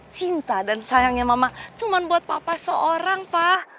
cinta dan sayangnya mama cuma buat papa seorang pak